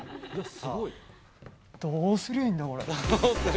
どうすりゃいいんだ、これ。